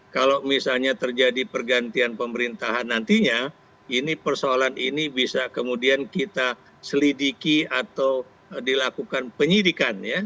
kalau misalnya terjadi pergantian pemerintahan nantinya ini persoalan ini bisa kemudian kita selidiki atau dilakukan penyidikan ya